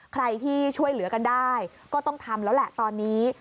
ใครที่ช่วยเหลือกันได้ก็ต้องทำแล้วแหละตอนนี้